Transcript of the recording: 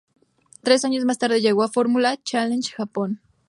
Tres años más tarde llegó a Fórmula Challenge Japón.